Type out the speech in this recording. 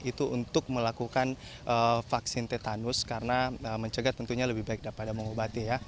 itu untuk melakukan vaksin tetanus karena mencegah tentunya lebih baik daripada mengobati ya